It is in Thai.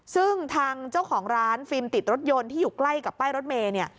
ซึ่งทางเจ้าของร้านฟิล์มติดรถยนต์ที่อยู่ใกล้กับป้ายรถเมย์เนี่ย